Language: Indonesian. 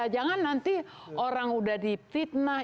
jangan nanti orang udah di fitnah